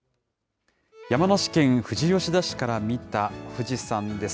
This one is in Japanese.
山梨県富士吉田市から見た富士山です。